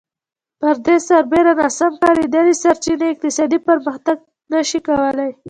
پر دې سربېره ناسم کارېدلې سرچینې اقتصادي پرمختګ نه شي کولای